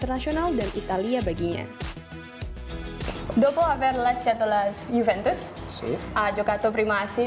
pemain berusia empat puluh empat tahun ini bercerita kepada saya tentang makna sepak bola ini